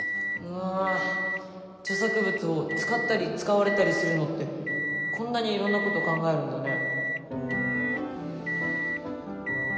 うわ著作物を使ったり使われたりするのってこんなにいろんなこと考えるんだね。